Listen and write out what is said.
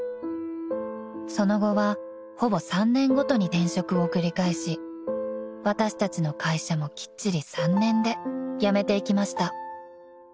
［その後はほぼ３年ごとに転職を繰り返し私たちの会社もきっちり３年で辞めていきました］